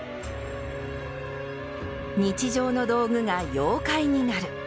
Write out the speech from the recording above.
日常の道具が妖怪になる。